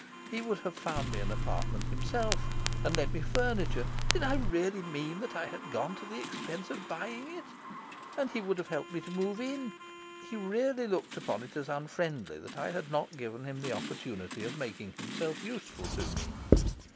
He would have found me an apartment himself, and lent me furniture did I really mean that I had gone to the expense of buying it? and he would have helped me to move in. He really looked upon it as unfriendly that I had not given him the opportunity of making himself useful to me.